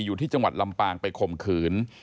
อยู่ที่จังหวัดลำปางไปข่มขืน